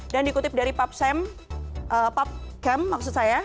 dan dikutip dari pubchem maksud saya